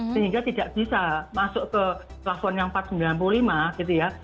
sehingga tidak bisa masuk ke plafon yang empat ratus sembilan puluh lima gitu ya